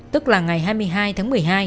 tức là ngày hai mươi hai tháng một mươi hai